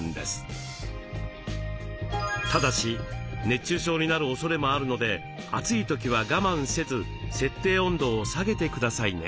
ただし熱中症になる恐れもあるので暑い時は我慢せず設定温度を下げてくださいね。